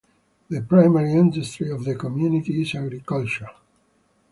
The primary industry of the community is agriculture.